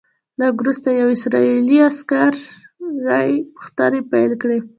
لږ وروسته یوې اسرائیلي عسکرې پوښتنې پیل کړې.